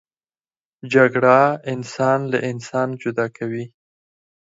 جګړه انسان له انسان جدا کوي